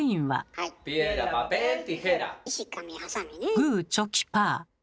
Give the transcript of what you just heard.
グーチョキパー。